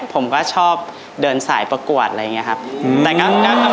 ผมก็ชอบเดินสายประกวดอะไรอย่างนี้ครับ